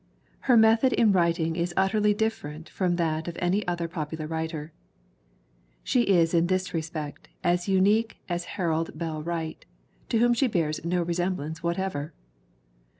Her method in writing is utterly different from that of any other popular author. She is in this respect as unique as Harold Bell Wright to whom she bears no resem blance whatever.